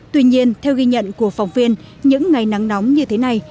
tuy nhiên theo ghi nhận của phòng viên những ngày nắng nóng như thế này